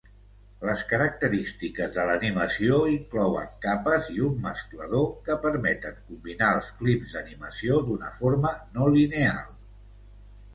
Les característiques de l'animació inclouen capes i un mesclador, que permeten combinar els clips d'animació d'una forma no lineal.